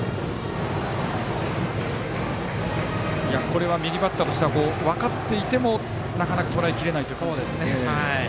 これは右バッターとしては分かっていてもなかなかとらえきれないという。